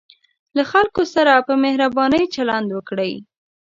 له خلکو سره په مهربانۍ چلند وکړئ.